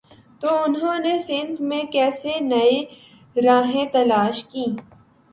تو انہوں نے سندھ میں کیسے نئی راہیں تلاش کیں۔